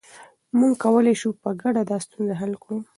موږ کولای شو په ګډه دا ستونزه حل کړو.